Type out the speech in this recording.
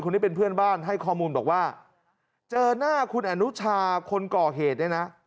ที่เป็นเพื่อนบ้านให้ข้อมูลบอกว่าเจอหน้าคุณอนุชาคนก่อเหตุเนี่ยนะ